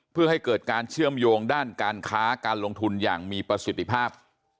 เพื่อให้เกิดการเชื่อมโยงด้านการค้าการลงทุนอย่างมีประสิทธิภาพ